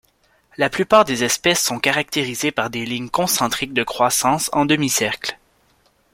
La plupart des espèces sont caractérisées par des lignes concentriques de croissance en demi-cercles.